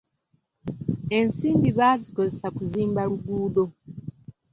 Ensimbi baazikozesa kuzimba luguudo.